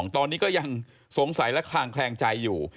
ตอนนี้ก็ยังสงสัยและคลางแคลงใจอยู่